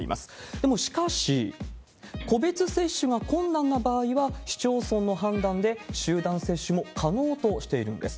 でもしかし、個別接種が困難な場合は、市町村の判断で集団接種も可能としているんです。